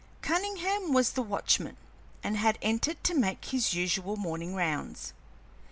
Cunningham was the watchman, and had entered to make his usual morning rounds.